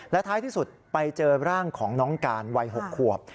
และท้ายที่สุดไปเจอร่างของน้องการวัย๖ขวบ